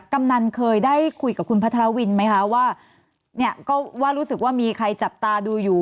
กำนันเคยได้คุยกับคุณพัทรวินไหมคะว่าเนี่ยก็ว่ารู้สึกว่ามีใครจับตาดูอยู่